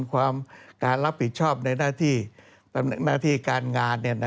ความการรับผิดชอบในหน้าที่การงาน